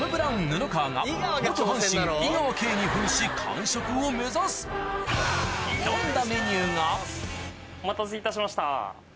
布川が阪神・井川慶に扮し完食を目指す挑んだメニューがお待たせいたしました。